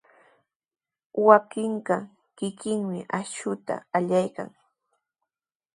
Wawqiiqa kikinmi akshuta allaykan.